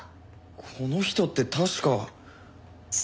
この人って確か。